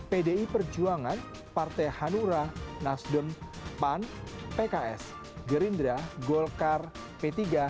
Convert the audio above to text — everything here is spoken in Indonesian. pdi perjuangan partai hanura nasdem pan pks gerindra golkar p tiga